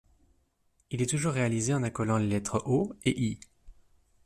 Il est toujours réalisé en accolant les lettres O et Í.